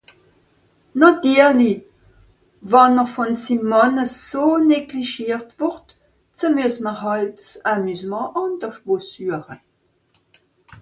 Nàtirlich, wenn m’r vùn sim Mànn eso neglischiert wùrd, ze muess m’r hàlt ’s Amusement àndersch wo sueche.